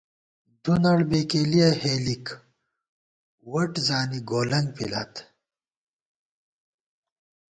دُونڑ بېکېلِیَہ ہېلِک، وَٹ زانی گولَنگ پِلات